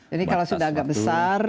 jadi kalau sudah agak besar